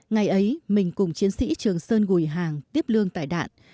ngày ấy mình cùng chiến sĩ trường sơn gùi hàng tiếp lương tại đạn